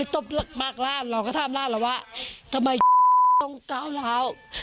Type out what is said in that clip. ทำไมต้องกาวร้าว